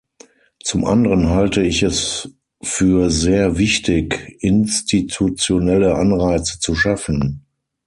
Zum anderen halte ich es für sehr wichtig, institutionelle Anreize zu schaffen.